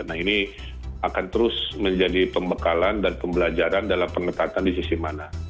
nah ini akan terus menjadi pembekalan dan pembelajaran dalam pengetatan di sisi mana